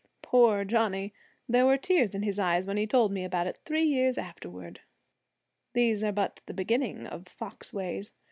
Poor Johnnie! There were tears in his eyes when he told me about it, three years afterwards. These are but the beginning of fox ways.